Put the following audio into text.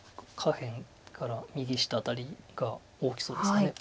下辺から右下辺りが大きそうですか。